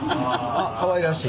あっかわいらしい。